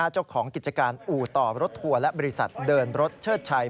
เจ้าของกิจการอู่ต่อรถทัวร์และบริษัทเดินรถเชิดชัย